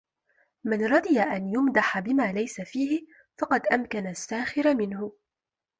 مَنْ رَضِيَ أَنْ يُمْدَحَ بِمَا لَيْسَ فِيهِ فَقَدْ أَمْكَنَ السَّاخِرَ مِنْهُ